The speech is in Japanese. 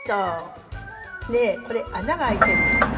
ねこれ穴が開いてるじゃない？